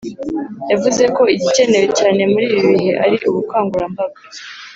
yavuze ko igikenewe cyane muri ibi bihe, ari ubukangurambaga